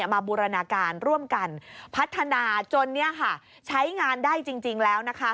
บูรณาการร่วมกันพัฒนาจนใช้งานได้จริงแล้วนะคะ